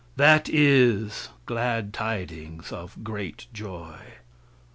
That is "glad tidings of great joy."